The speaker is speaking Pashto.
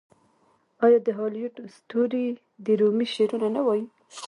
آیا د هالیووډ ستوري د رومي شعرونه نه وايي؟